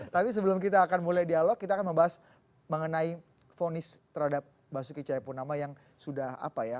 tapi sebelum kita akan mulai dialog kita akan membahas mengenai fonis terhadap basuki cahayapunama yang sudah apa ya